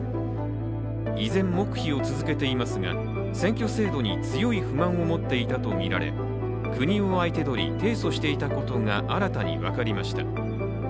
依然、黙秘を続けていますが選挙制度に強い不満を持っていたとみられ国を相手取り提訴していたことが新たに分かりました。